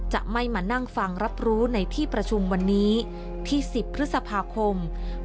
จะไม่มานั่งฟังรับรู้ในที่ประชุมวันนี้ที่๑๐พฤษภาคม